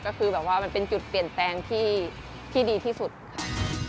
ก็คือแบบว่ามันเป็นจุดเปลี่ยนแปลงที่ดีที่สุดค่ะ